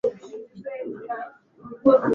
za uuguzi ambazo ni tabia ya njia ya maisha ya Uropa